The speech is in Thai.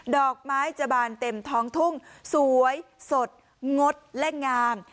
ดอกไม้จะบานเต็มท้องทุ่งสวยสดงดและงาม